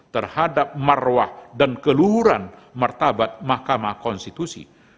terhadap marwah dan keluhuran martabat mahkamah konstitusi